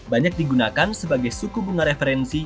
banyak digunakan sebagai suku bunga referensi